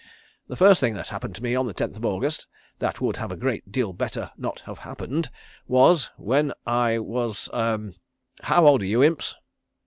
The first thing that happened to me on the Tenth of August that would have a great deal better not have happened, was when I was er how old are you Imps?"